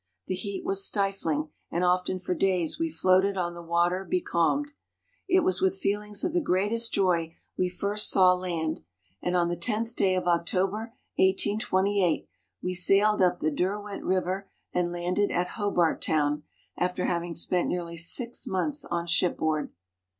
The heat was stifling and often for days we floated on the water becalmed. It was with feelings of the greatest joy we SKETCHES OF TRAVEL first saw land, and on the 10th day of October, 1828, we sailed up the Derwent River and landed at Hobart Town, after having spent nearly six months on ship board.